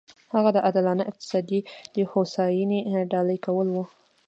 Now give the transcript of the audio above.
هغه د عادلانه اقتصادي هوساینې ډالۍ کول و.